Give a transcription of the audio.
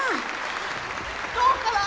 どうかな？